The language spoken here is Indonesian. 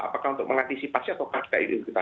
apakah untuk mengantisipasi atau kakitai diri kita